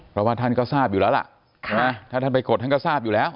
เพราะว่าท่านก็ทราบอยู่แล้วล่ะถ้าท่านไปกดท่านก็ทราบอยู่แล้ว